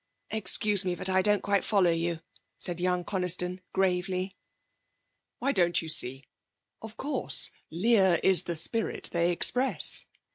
'Excuse me, but I don't quite follow you,' said young Coniston gravely. 'Why, don't you see? Of course, Lear is the spirit they express.